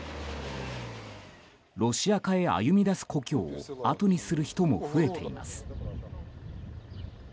ロシア化へ歩み出す故郷を後にする人も増えています。